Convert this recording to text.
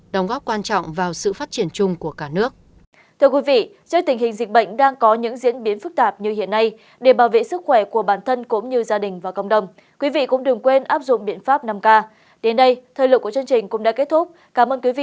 đóng góp quan trọng vào sự phát triển chung của cả nước